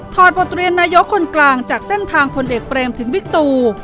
อดบทเรียนนายกคนกลางจากเส้นทางพลเอกเบรมถึงบิ๊กตู